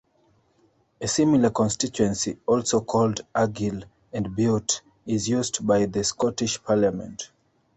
A similar constituency, also called Argyll and Bute, is used by the Scottish Parliament.